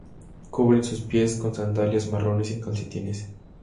Cubren sus pies con sandalias marrones sin calcetines.